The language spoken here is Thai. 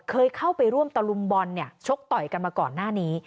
เคยเข้าไปร่วมตะลุมบอลเนี่ยชกต่อยกันมาก่อนหน้านี้